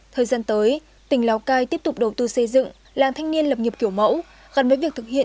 thời gian tới tỉnh lào cai tiếp tục đầu tư xây dựng làng thanh niên lập nghiệp kiểu mẫu gắn với việc thực hiện